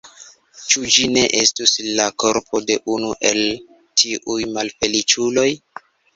Ĉu ĝi ne estus la korpo de unu el tiuj malfeliĉuloj?